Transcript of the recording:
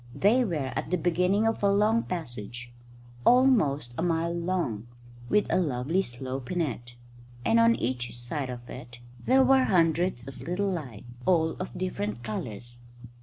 They were at the beginning of a long passage, almost a mile long, with a lovely slope in it; and on each side of it there were hundreds of little lights, all of different colours.